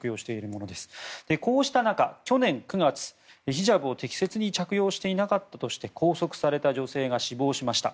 こうした中、去年９月ヒジャブを適切に着用しなかったとして拘束された女性が死亡しました。